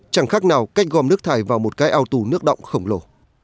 chẳng khác nào cách gom nước thải vào một cái ao tù nước động khổng lồ